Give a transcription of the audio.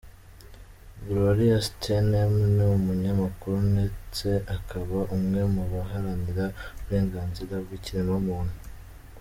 Gloria Steinem, ni umunyamakuru netse akaba umwe mu baharanira uburenganzira bw’ikiremwamuntu.